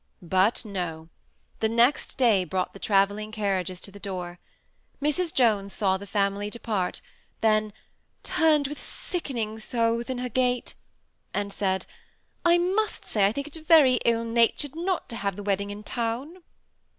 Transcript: But, No ! The next day brought the travelling carriages to the door. Mrs. Jones saw the family depart; then ^ turned with sickening soul within her gate," and said, ^ I must say I think it very ill natured not to have the wedding in town."